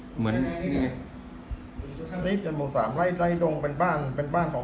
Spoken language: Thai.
เหมือนนี่ไงนี่เป็นหมู่สามไล่ดงเป็นบ้านเป็นบ้านของ